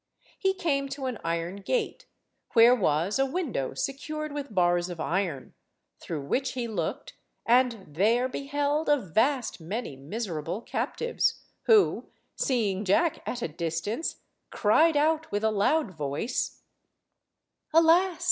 He came to an iron gate where was a window secured with bars of iron, through which he looked, and there beheld a vast many miserable captives, who, seeing Jack at a distance, cried out with a loud voice— "Alas!